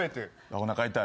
おなか痛い。